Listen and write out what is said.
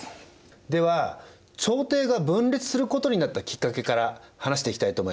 では朝廷が分裂することになったきっかけから話していきたいと思います。